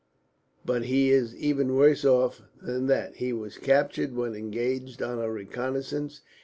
But he is even worse off than that. He was captured when engaged on a reconnaissance.